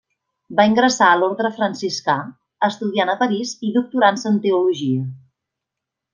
Va ingressar a l'orde franciscà, estudiant a Paris i doctorant-se en teologia.